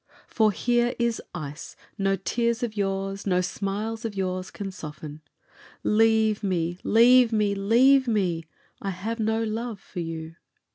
For here is ice no tears of yours, no smiles of yours can soften: Leave me, leave me, leave me, I have no love for you!